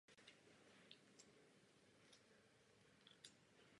Liška polární žije samotářsky nebo v rodinných skupinách s často složitou sociální strukturou.